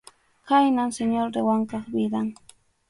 Khaynam Señor de Wankap vidan.